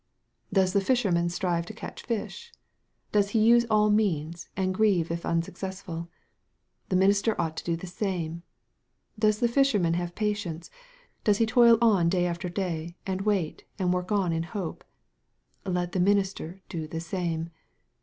Does the fisherman strive to catch fish ? Does he use all means, and grieve if unsuccessful ? The minister ought to do the same. Does the fisherman have pa tience ? Does he toil on day after day, and wait, and work on in hope ? Let the minister do the same.